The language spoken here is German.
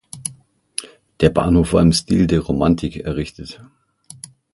Der Bahnhof war im Stil der Romantik errichtet.